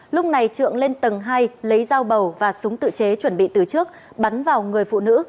lúc này trượng lên tầng hai lấy dao bầu và súng tự chế chuẩn bị từ trước bắn vào người phụ nữ